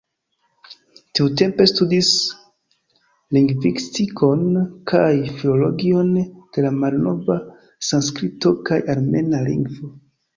Tiutempe studis lingvistikon kaj filologion de la malnova sanskrito kaj armena lingvo.